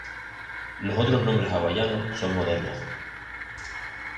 Los otros nombres hawaianos son modernos.